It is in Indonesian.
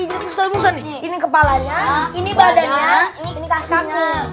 ini kepalanya ini badannya ini kasarnya